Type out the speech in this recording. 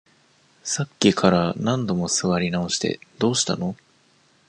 さっきから何度も座り直して、どうしたの？